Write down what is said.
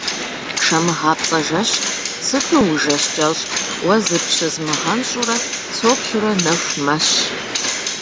Шэмыгъапцӏэ жэщ, сыту ужэщ кӏэщӏ, уэ зыпщызмыгъэнщӏурэ, соплъурэ нэху мэщ.